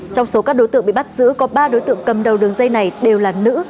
trong số các đối tượng bị bắt giữ có ba đối tượng cầm đầu đường dây này đều là nữ